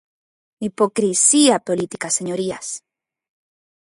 ¡Hipocrisía política, señorías!